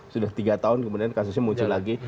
sudah tiga tahun kemudian kasusnya muncul lagi